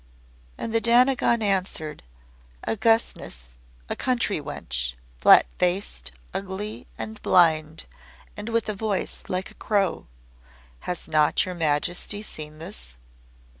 And the Dainagon answered; "Augustness, a country wench, flat faced, ugly and blind, and with a voice like a crow. Has not your Majesty seen this?"